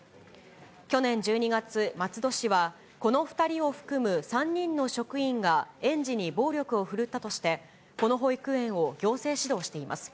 去年１２月、松戸市は、この２人を含む３人の職員が園児に暴力を振るったとして、この保育園を行政指導しています。